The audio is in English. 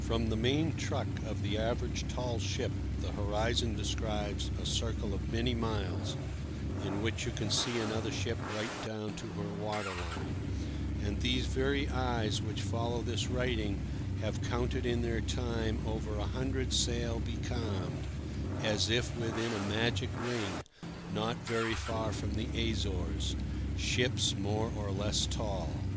FROM the main truck of the average tall ship the horizon describes a circle of many miles, in which you can see another ship right down to her water line; and these very eyes which follow this writing have counted in their time over a hundred sail becalmed, as if within a magic ring, not very far from the Azores—ships more or less tall.